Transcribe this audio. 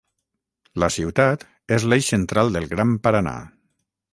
La ciutat és l'eix central del Gran Paraná.